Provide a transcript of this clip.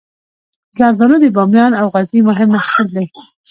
زردالو د بامیان او غزني مهم محصول دی.